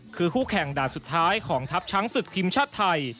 คือคู่แข่งด่านสุดท้ายของทัพช้างศึกทีมชาติไทย